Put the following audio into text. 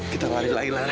kita lari lagi lara